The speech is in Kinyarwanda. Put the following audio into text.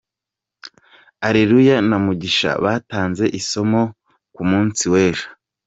Areruya na Mugisha batanze isomo ku munsi w’ejo.